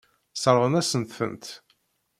Sseṛɣen-asent-tent.